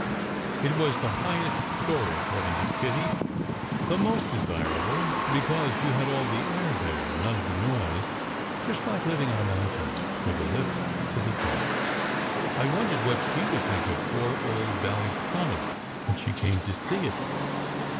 It was in the highest story, according to Kitty the most desirable, because you had all the air there and none of the noise; just like living on a mountain, with a lift to the top. I wondered what she would think of poor old Ballyconal, when she came to see it!